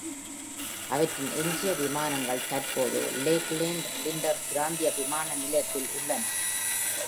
அவற்றின் எஞ்சிய விமானங்கள் தற்போது லேக்லேண்ட் லிண்டர் பிராந்திய விமான நிலையத்தில் உள்ளன.